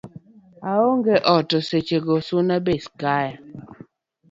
oonge ot to seche go suna bende kaye